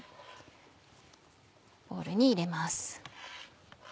ボウルに入れます。